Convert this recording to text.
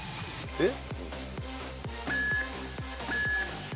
えっ。